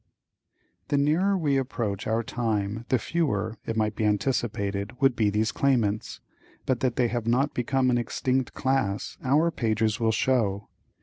The nearer we approach our own time the fewer, it might be anticipated, would be these claimants; but that they have not become an extinct class our pages will show.